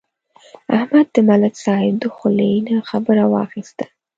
احمد د ملک صاحب د خولې نه خبره واخیسته.